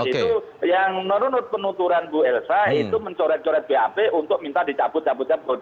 itu yang menurut penuturan bu elsa itu mencoret coret bap untuk minta dicabut cabut cabut